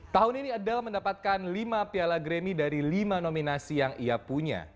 tahun ini adel mendapatkan lima piala grammy dari lima nominasi yang ia punya